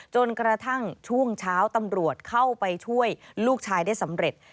จนกระทั่งช่วงเช้าตำรวจเข้าไปช่วยลูกชายได้สำเร็จ